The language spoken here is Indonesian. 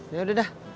ya udah dah